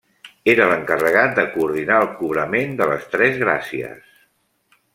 Era l’encarregat de coordinar el cobrament de les tres gràcies.